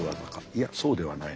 いやそうではないのか。